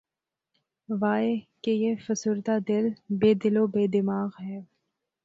واے! کہ یہ فسردہ دل‘ بے دل و بے دماغ ہے